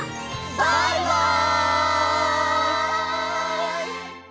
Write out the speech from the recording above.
バイバイ！